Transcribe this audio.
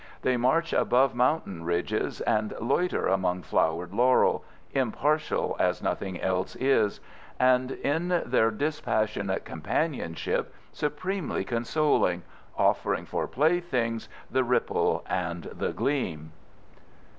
They march above mountain ridges and loiter among flowered laurel, impartial as nothing else is, and in their dispassionate companionship supremely consoling, offering for playthings the ripple and the gleam.